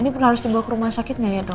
ini harus dibawa ke rumah sakit nggak ya dok